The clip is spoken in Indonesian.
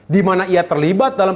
di mana ia terlibat dalam